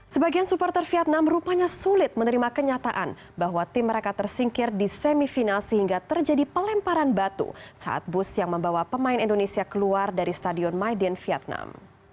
sebagian supporter vietnam rupanya sulit menerima kenyataan bahwa tim mereka tersingkir di semifinal sehingga terjadi pelemparan batu saat bus yang membawa pemain indonesia keluar dari stadion maidin vietnam